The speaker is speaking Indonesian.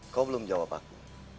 kau belum jawab aku